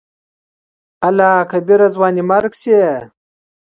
الله کبيره !ځواني مرګ شې.